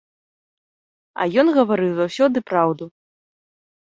А ён гаварыў заўсёды праўду.